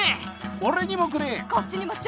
俺にもくれ！